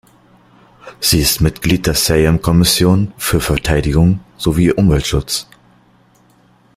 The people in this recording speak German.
Sie ist Mitglied der Sejm Kommission für Verteidigung sowie Umweltschutz.